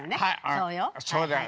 そうだよ。